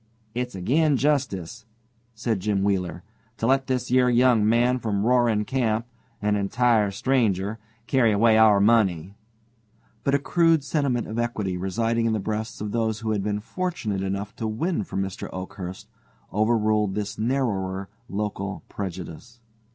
"It's agin justice," said Jim Wheeler, "to let this yer young man from Roaring Camp an entire stranger carry away our money." But a crude sentiment of equity residing in the breasts of those who had been fortunate enough to win from Mr. Oakhurst overruled this narrower local prejudice.